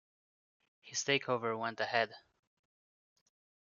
His takeover went ahead.